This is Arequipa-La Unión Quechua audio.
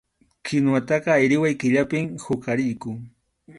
Kinwataqa ayriway killapim huqariyku.